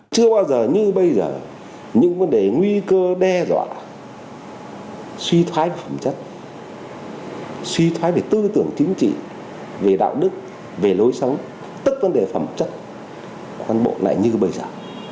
chưa bao giờ như bây giờ những vấn đề nguy cơ đe dọa suy thoái về phẩm chất suy thoái về tư tưởng chính trị về đạo đức về lối sống tức vấn đề phẩm chất căn bộ này như bây giờ